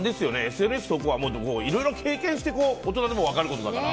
ＳＮＳ投稿はいろいろ経験して大人でも分かることだから。